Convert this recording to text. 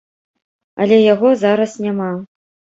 Але яго зараз няма.